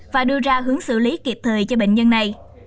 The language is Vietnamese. và đưa ra hướng xử lý kịp thời cho bệnh nhân này